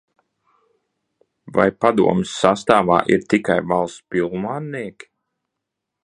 Vai padomes sastāvā ir tikai valsts pilnvarnieki?